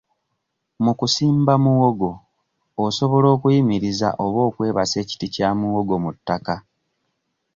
Mu kusimba muwogo osobola okuyimiriza oba okwebasa ekiti kya muwogo mu ttaka.